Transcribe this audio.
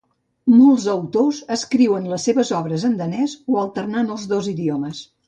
Molts autors escriuen les seves obres en danès o alternant els dos idiomes.